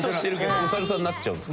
お猿さんになっちゃうんですか？